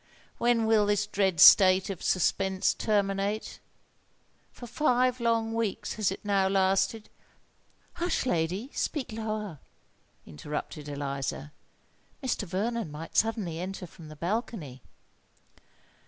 when will this dread state of suspense terminate? For five long weeks has it now lasted——" "Hush! lady—speak lower!" interrupted Eliza. "Mr. Vernon might suddenly enter from the balcony."